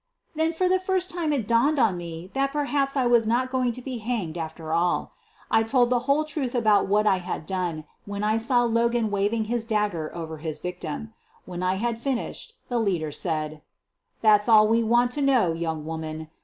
Then for the first time it dawned on me that per haps I was not going to be hanged after all. I told the whole truth about what I had done when I saw Logan waving his dagger over his victim. When I had finished the leader said: "That's all we want to know, young woman.